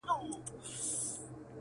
ژورنالستان حقیقت خپروي